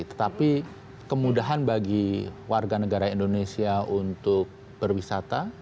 tetapi kemudahan bagi warga negara indonesia untuk berwisata